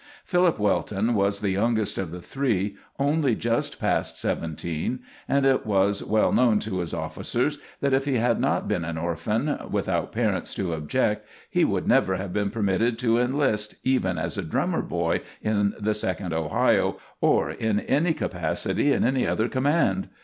Philip Welton was the youngest of the three, only just past seventeen, and it was well known to his officers that if he had not been an orphan, without parents to object, he would never have been permitted to enlist even as a drummer boy in the 2d Ohio, or in any capacity in any other command.